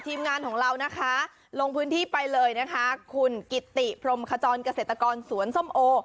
ทีมงานของเรานะคะลงพื้นที่ไปเลยนะคะคุณกิตติพรมขจรเกษตรกรสวนส้มโอ